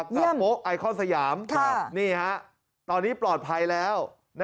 กับโม๊กไอคอมสยามงั้นตอนนี้ปลอดภัยแล้วนะครับ